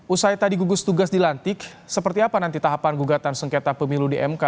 usai tadi gugus tugas dilantik seperti apa nanti tahapan gugatan sengketa pemilu di mk